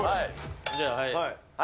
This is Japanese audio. じゃ、はい。